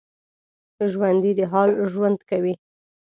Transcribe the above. ژوندي د حال ژوند کوي